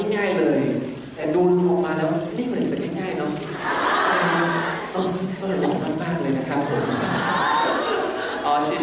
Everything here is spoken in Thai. แล้วเอาออกมาบ้างเลยนะครับ